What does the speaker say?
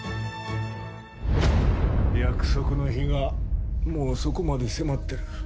約束の日がもうそこまで迫っている。